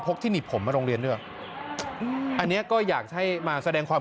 ที่หนีบผมมาโรงเรียนด้วยอืมอันเนี้ยก็อยากให้มาแสดงความ